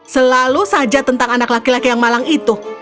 selalu saja tentang anak laki laki yang malang itu